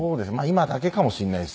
今だけかもしれないですね。